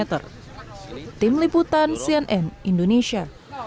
tim liputan cnn indonesia